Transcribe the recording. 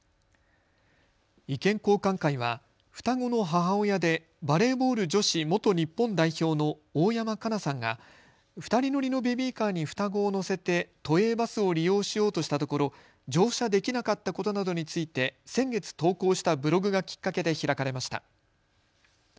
意見交換会は双子の母親でバレーボール女子元日本代表の大山加奈さんが２人乗りのベビーカーに双子を乗せて都営バスを利用しようとしたところ乗車できなかったことなどについて先月、投稿したブログがきっかけで開かれました。